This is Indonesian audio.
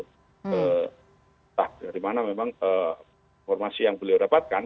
entah dari mana memang informasi yang beliau dapatkan